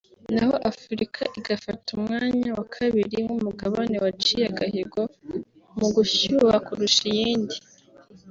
naho Afurika igafata umwanya wa kabiri nk’umugabane waciye agahigo mu gushyuha kurusha iyindi